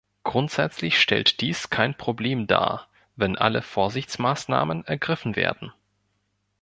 Grundsätzlich stellt dies kein Problem dar, wenn alle Vorsichtsmaßnahmen ergriffen werden.